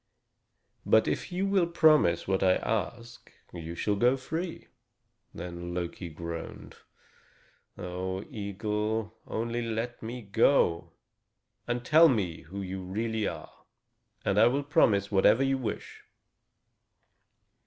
But if you will promise what I ask, you shall go free." Then Loki groaned: "O eagle, only let me go, and tell me who you really are, and I will promise whatever you wish."